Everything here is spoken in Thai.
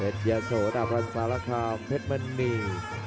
เพชยุโสดับร้อนสละครามเพชมณี